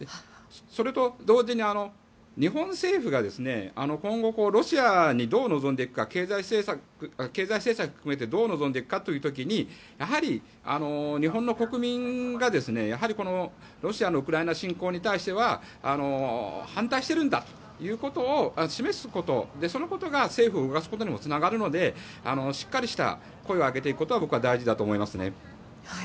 それと同時に日本政府が今後、ロシアにどう臨んでいくか経済制裁を含めてどう臨んでいくかという時にやはり日本の国民が、ロシアのウクライナ侵攻に対しては反対しているんだということを示すことそのことが政府を動かすことにもつながるのでしっかりした声を上げていくことが僕は大事だと思いますね。